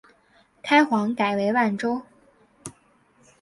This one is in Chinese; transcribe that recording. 开皇改为万州。